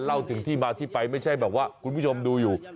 เล่าถึงที่มาที่ไปไม่ใช่แบบว่าคุณผู้ชมดูอยู่